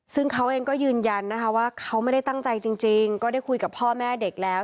ซึ่งเขาเองก็ยืนยันนะคะว่าเขาไม่ได้ตั้งใจจริงก็ได้คุยกับพ่อแม่เด็กแล้ว